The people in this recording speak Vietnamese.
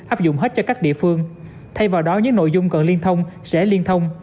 áp dụng hết cho các địa phương thay vào đó những nội dung cần liên thông sẽ liên thông